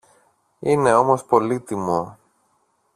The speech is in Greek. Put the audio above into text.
Είναι όμως πολύτιμο.